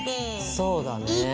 そうだね。